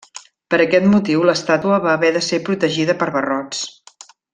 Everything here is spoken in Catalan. Per aquest motiu l'estàtua va haver de ser protegida per barrots.